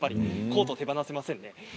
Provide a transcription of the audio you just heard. コートが手放せませんね。